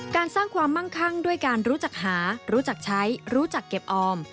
สร้างความมั่งคั่งด้วยการรู้จักหารู้จักใช้รู้จักเก็บออม